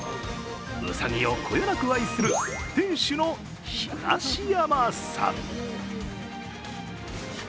うさぎをこよなく愛する店主の東山さん。